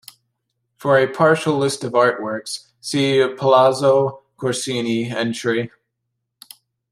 For a partial list of artworks, see Palazzo Corsini entry.